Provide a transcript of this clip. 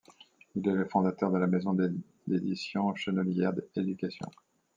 Il est le fondateur de la maison d'édition Chenelière Éducation.